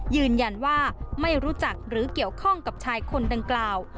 ยืนยันว่าไม่รู้จักหรือเกี่ยวข้องกับชายคนดังกล่าว